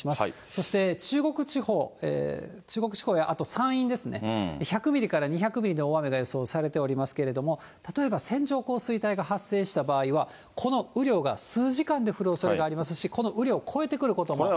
そして中国地方や、あと山陰ですね、１００ミリから２００ミリの大雨が予想されていますけれども、例えば線状降水帯が発生した場合は、この雨量が数時間で降るおそれがありますし、この雨量を超えてくることもあります。